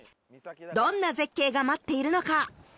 どんな絶景が待っているのか？